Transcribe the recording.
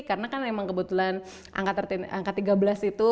karena kan emang kebetulan angka tiga belas itu